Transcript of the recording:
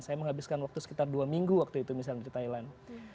saya menghabiskan waktu sekitar dua minggu waktu itu misalnya di thailand